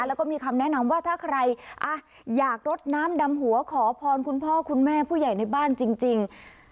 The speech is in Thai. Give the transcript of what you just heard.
แล้วก็มีคำแนะนำว่าถ้าใครอยากรดน้ำดำหัวขอพรคุณพ่อคุณแม่ผู้ใหญ่ในบ้านจริง